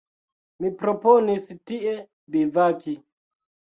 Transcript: Mi proponis tie bivaki.